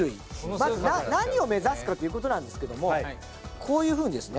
まず何を目指すかっていう事なんですけどもこういう風にですね